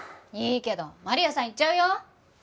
いいけどマリアさん行っちゃうよ？